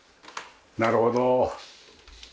なるほど。